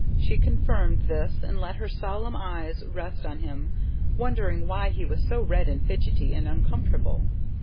She confirmed this, and let her solemn eyes rest on him wondering why he was so red and fidgety and uncomfortable.